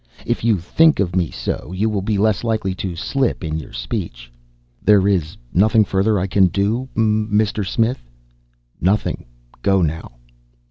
If you think of me so, you will be less likely to slip in your speech." "There is nothing further I can do Mister Smith?" "Nothing. Go now."